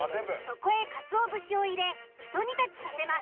そこへかつおぶしを入れひと煮立ちさせます。